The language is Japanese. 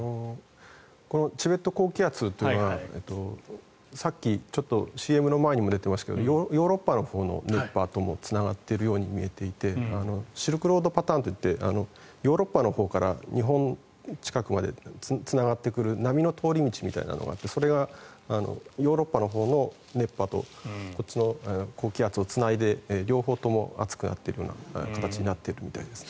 このチベット高気圧というのはさっきＣＭの前にも出ていましたけれどヨーロッパのほうの熱波ともつながっているように見えていてシルクロードパターンといってヨーロッパのほうから日本近くまでつながってくる波の通り道みたいなのがあってそれがヨーロッパのほうの熱波とこちらの高気圧をつないで両方とも暑くなっているような形みたいです。